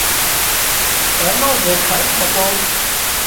اين نو زي خرچ هتو